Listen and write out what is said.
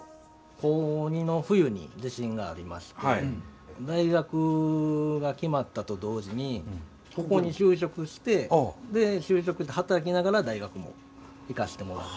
高２の冬に地震がありまして大学が決まったと同時にここに就職して働きながら大学も行かしてもらって。